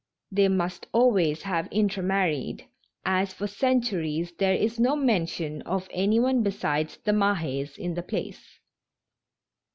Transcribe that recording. They must always have intermarried, as for centuries there is no mention of any one besides the Mahes in the place.